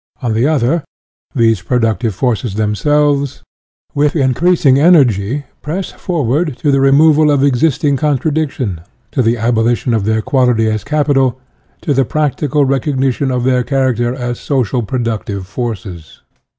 On the other, these pro ductive forces themselves, with increasing energy, press forward to the removal of the UTOPIAN AND SCIENTIFIC I IQ existing contradiction, to the abolition of their quality as capital, to the practical rec ognition of their character as social pro ductive forces.